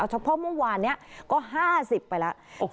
เฉพาะเมื่อวานนี้ก็๕๐ไปแล้ว